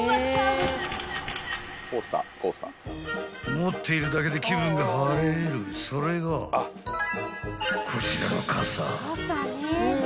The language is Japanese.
［持っているだけで気分が晴れるそれがこちらの］